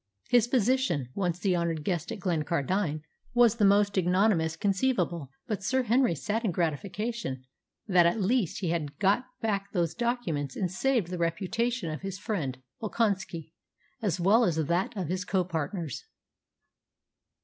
His position, once the honoured guest at Glencardine, was the most ignominious conceivable. But Sir Henry sat in gratification that at least he had got back those documents and saved the reputation of his friend Volkonski, as well as that of his co partners.